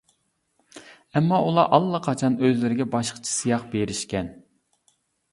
ئەمما، ئۇلار ئاللىقاچان ئۆزلىرىگە باشقىچە سىياق بېرىشكەن.